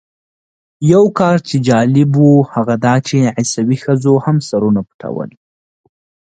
یو کار چې جالب و هغه دا چې عیسوي ښځو هم سرونه پټول.